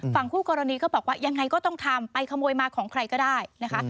ฝั่งคู่กรณีก็บอกว่ายังไงก็ต้องทำไปขโมยมาของใครก็ได้นะคะ